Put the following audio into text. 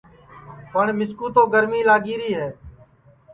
پٹؔ مِسکُو تو گرمی لگی ری ہے